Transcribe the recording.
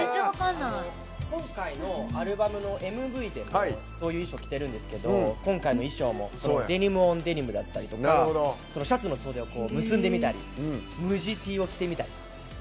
今回のアルバムのＭＶでもそういう衣装を着てるんですけど今回の衣装もデニムオンデニムだったりとかシャツの袖を結んでみたり無地Ｔを着てみたり。